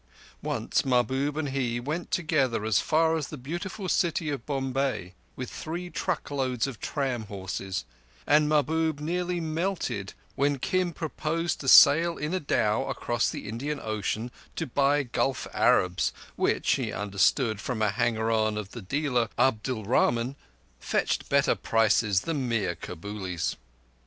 Once Mahbub and he went together as far as the beautiful city of Bombay, with three truckloads of tram horses, and Mahbub nearly melted when Kim proposed a sail in a dhow across the Indian Ocean to buy Gulf Arabs, which, he understood from a hanger on of the dealer Abdul Rahman, fetched better prices than mere Kabulis.